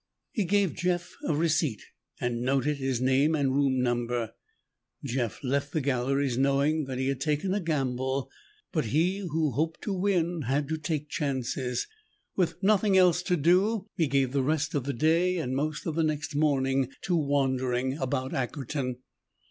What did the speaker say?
He gave Jeff a receipt and noted his name and room number. Jeff left the galleries, knowing that he had taken a gamble. But who hoped to win had to take chances. With nothing else to do, he gave the rest of the day and most of the next morning to wandering about Ackerton.